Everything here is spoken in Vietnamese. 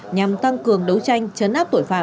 nhằm tăng cường đấu tranh chấn áp tội phạm